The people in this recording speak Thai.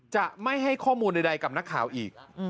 จะไม่ให้ข้อมูลใดกับนักข่าวอีก